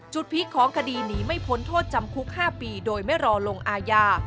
พีคของคดีหนีไม่พ้นโทษจำคุก๕ปีโดยไม่รอลงอาญา